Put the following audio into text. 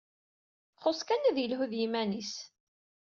Xus kan ad yelhu d yiman-is.